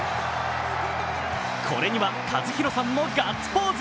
これには和博さんもガッツポーズ。